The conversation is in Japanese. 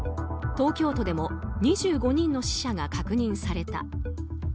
東京都でも２５人の死者が確認された。